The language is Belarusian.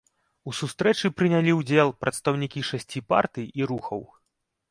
У сустрэчы прынялі ўдзел прадстаўнікі шасці партый і рухаў.